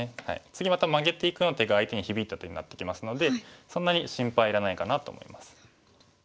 次またマゲていくような手が相手に響いた手になってきますのでそんなに心配いらないかなと思います。